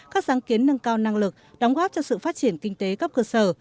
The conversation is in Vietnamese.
các sáng kiến nâng cao năng lực đóng góp cho sự phát triển kinh tế cấp cơ sở